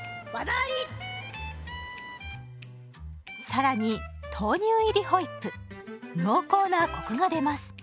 更に豆乳入りホイップ濃厚なコクが出ます。